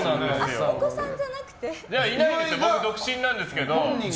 独身なんですけど。